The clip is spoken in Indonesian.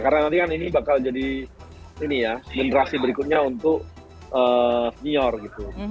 karena nanti kan ini bakal jadi ini ya generasi berikutnya untuk senior gitu